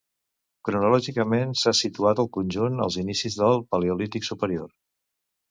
Cronològicament, s'ha situat el conjunt als inicis del Paleolític Superior.